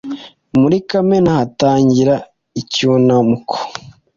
muri kamena hagatangira icyunamuko